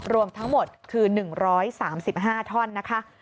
รวมทั้งหมดคือ๑๓๕ท่อนนะคะ